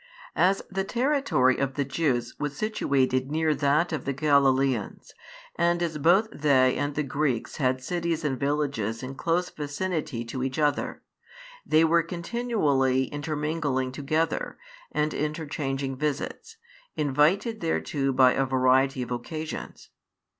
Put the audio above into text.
As the territory of the Jews was situated near that of the Galileans, and as both they and the Greeks had cities and villages in close vicinity to each other, they were continually intermingling together, and interchanging visits, invited thereto by a variety of occasions.